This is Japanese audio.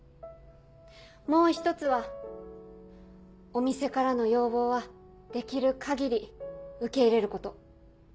もう一つはお店からの要望はできる限り受け入れること。